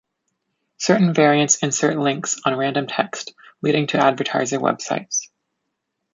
Certain variants insert links on random text, leading to advertiser websites.